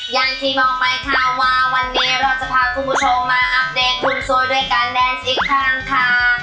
อย่างที่บอกไปค่ะว่าวันเนี้ยเราจะพาคุณผู้ชมมาอัปเดตภูมิสวยด้วยการแดนส์อีกครั้งค่ะ